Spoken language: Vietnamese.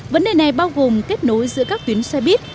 vấn đề này bao gồm kết nối giữa các tuyến xe buýt